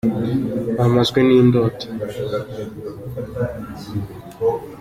Bamazwe n’indoto